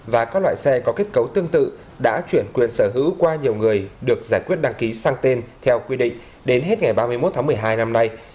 và các loại xe có kết cấu tương tự đã chuyển quyền sở hữu qua nhiều người được giải quyết đăng ký sang tên theo quy định đến hết ngày ba mươi một tháng một mươi hai năm nay